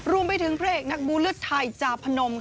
รวมไปถึงพระเอกนักบูเลือดไทยจาพนม